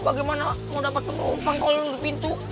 bagaimana mau dapat penumpang kalau lo di pintu